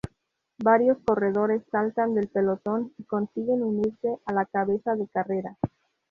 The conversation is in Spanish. Varios corredores saltan del pelotón y consiguen unirse a la cabeza de carrera.